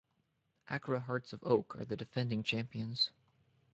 Accra Hearts of Oak are the defending Champions.